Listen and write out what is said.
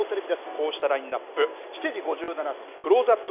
こうしたラインナップ、７時５７分、クローズアップ